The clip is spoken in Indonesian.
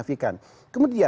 ini sudah mencapai satu juta